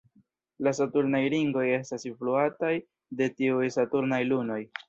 La saturnaj ringoj estas influataj de tiuj saturnaj lunoj.